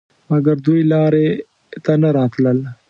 مګر دوی لارې ته نه راتلل.